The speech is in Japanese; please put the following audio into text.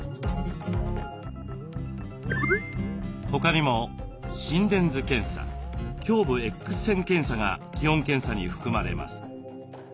他にも心電図検査胸部Ｘ線検査が基本検査に含まれます。